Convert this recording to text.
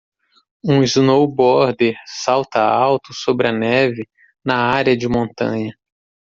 Um snowboarder salta alto sobre a neve na área de montanha.